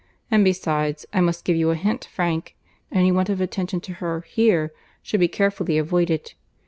And, besides, I must give you a hint, Frank; any want of attention to her here should be carefully avoided.